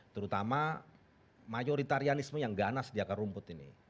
terutama mayoritarianisme yang ganas di akar rumput ini